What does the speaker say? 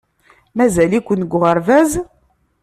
Mazal-iken deg uɣerbaz?